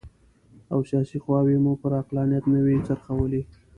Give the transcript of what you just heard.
او سیاسي خواوې مو پر عقلانیت نه وي څرخولي.